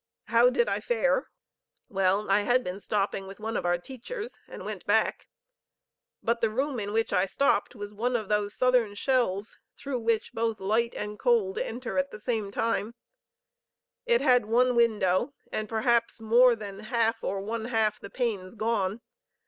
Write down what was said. How did I fare? Well, I had been stopping with one of our teachers and went back; but the room in which I stopped was one of those southern shells through which both light and cold enter at the same time; it had one window and perhaps more than half or one half the panes gone.